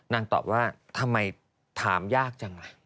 ตอบว่าทำไมถามยากจังล่ะ